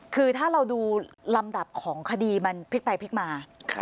คือถ้าเราดูลำดับของคดีมันพลิกไปพลิกมา